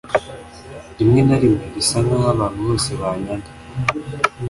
Rimwe na rimwe bisa nkaho abantu bose banyanga.